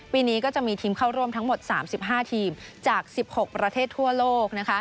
ปีนี้ก็จะมีทีมเข้าร่วมทั้งหมด๓๕ทีมจาก๑๖ประเทศทั่วโลก